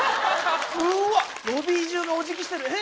うわロビー中がおじぎしてるえ！